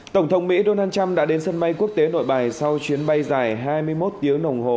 tổng thống mỹ donald trump đã đến sân bay quốc tế nội bài sau chuyến bay dài hai mươi một tiếng đồng hồ